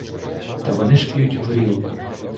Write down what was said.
Та вони ж п'ють горілку!